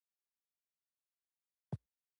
رقیب زما د بریا د لارې ساتونکی دی